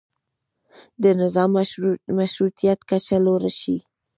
د نظام مشروطیت کچه لوړه شي.